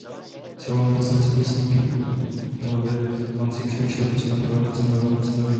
Celou noc nesmí s nikým mluvit a musí přemýšlet o svém novém postavení.